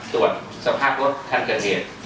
ตรวจสภาพรถคันเกิดเหตุ